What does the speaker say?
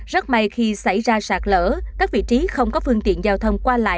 rất may khi xảy ra sạt lở các vị trí không có phương tiện giao thông